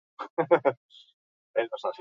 Baina gehiago nahi dugu.